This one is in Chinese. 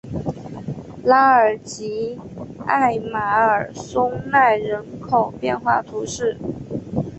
拉尔吉艾马尔松奈人口变化图示